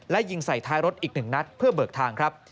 และยิงใส่ท้ายรถอีก๑นัดเพื่อเบิกทางครับ